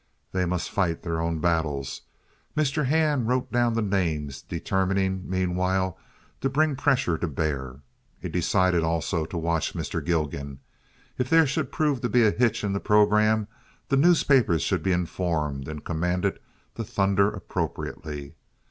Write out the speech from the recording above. They must fight their own battles. Mr. Hand wrote down the names, determining meanwhile to bring pressure to bear. He decided also to watch Mr. Gilgan. If there should prove to be a hitch in the programme the newspapers should be informed and commanded to thunder appropriately.